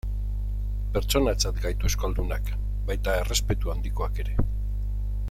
Pertsonatzat gaitu euskaldunak, baita errespetu handikotzat ere.